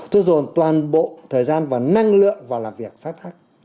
tôi dùng toàn bộ thời gian và năng lượng vào làm việc sát thác